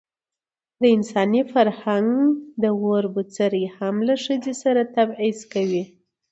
د انساني فرهنګ ووړ بڅرى هم له ښځې سره تبعيض کوي.